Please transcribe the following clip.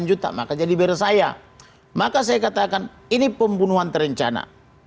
sembilan juta maka jadi beres saya maka saya katakan ini pembunuhan terencana